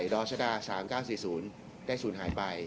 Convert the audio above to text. กธ๓๙๔๐ได้ศูนย์หายไป